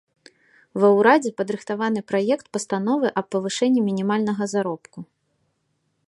Ва ўрадзе падрыхтаваны праект пастановы аб павышэнні мінімальнага заробку.